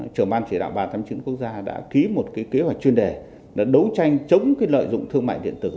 trưởng ban chỉ đạo ba trăm tám mươi chín quốc gia đã ký một kế hoạch chuyên đề đấu tranh chống lợi dụng thương mại điện tử